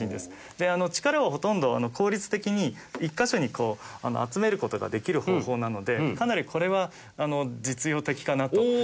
で力をほとんど効率的に１カ所に集める事ができる方法なのでかなりこれは実用的かなというふうに思います。